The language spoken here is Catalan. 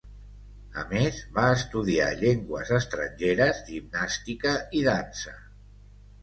A més, va estudiar llengües estrangeres, gimnàstica i dansa.